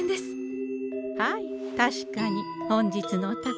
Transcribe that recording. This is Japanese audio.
はい確かに本日のお宝